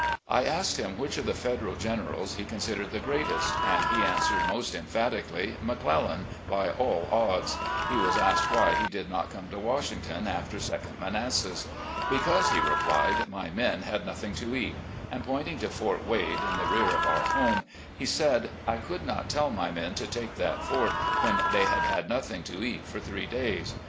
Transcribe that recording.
1 asked him which of the Federal generals he considered the greatest, and he answered most emphatically ' McClel lan by all odds.' He was asked why he did not come to Washington after second Manassas. "'Because,' he replied, 'my men had nothing to eat,' and pointing to Fort Wade, in the rear of our home, he said, ' I could not tell my men to take that fort when they had had nothing to eat for three days.